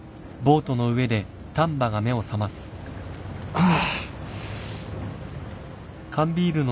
ああ。